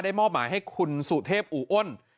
ได้มอบมาให้คุณสุเทพอุ้น